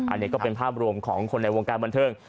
อันนี้ก็เป็นภาพรวมของคนในวงการบันเทิง